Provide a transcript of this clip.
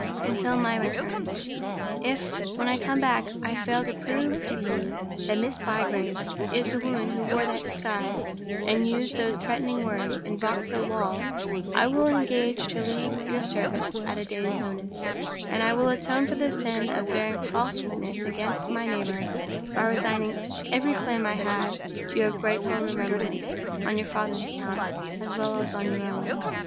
until my return. If, when I come back, I fail to prove to you that Miss Bygrave is the woman who wore that disguise, and used those threatening words, in Vauxhall Wall, I will engage to leave your service at a day's notice; and I will atone for the sin of bearing false witness against my neighbor by resigning every claim I have to your grateful remembrance, on your father's account as well as on your own.